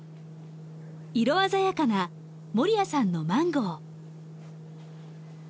色鮮やかな守屋さんのマンゴー。